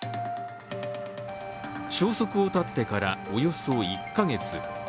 消息を絶ってからおよそ１か月。